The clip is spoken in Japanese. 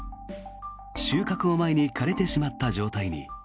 収穫を前に枯れてしまった状態に。